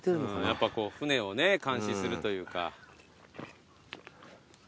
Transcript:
やっぱ船をね監視するというか。